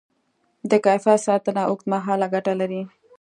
د کیفیت ساتنه اوږدمهاله ګټه لري.